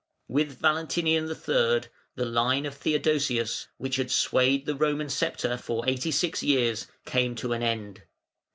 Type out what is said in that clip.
With Valentinian III. the line of Theodosius, which had swayed the Roman sceptre for eighty six years, came to an end.